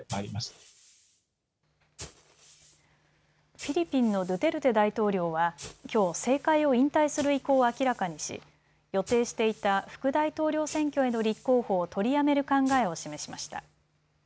フィリピンのドゥテルテ大統領はきょう政界を引退する意向を明らかにし予定していた副大統領選挙への立候補を取りやめる考えを示しました。